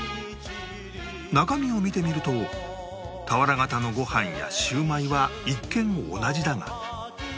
中身を見てみると俵型のご飯やシウマイは一見同じだが